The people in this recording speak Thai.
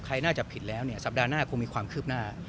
น่าจะผิดแล้วเนี่ยสัปดาห์หน้าคงมีความคืบหน้า